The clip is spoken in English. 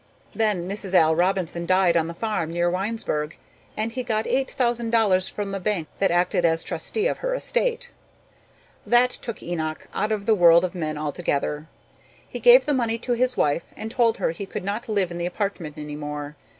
Then Mrs. Al Robinson died on the farm near Winesburg, and he got eight thousand dollars from the bank that acted as trustee of her estate. That took Enoch out of the world of men altogether. He gave the money to his wife and told her he could not live in the apartment any more.